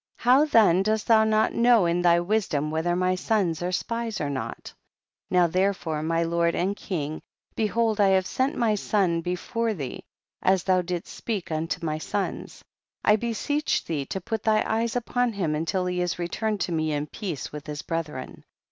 how then dost thou not know in thy wisdom whether my sons are spies or not ? 34. Now therefore, my lord and king, behold I have sent my son be fore thee, as thou didst speak unto my sons ; I beseech thee to put thy eyes upon him until he is returned to me in peace with his brethren.